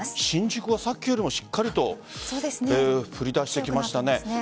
新宿はさっきよりもしっかりと降りだしてきましたね。